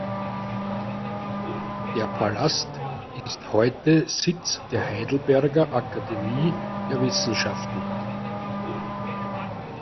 Der Palast ist heute Sitz der Heidelberger Akademie der Wissenschaften.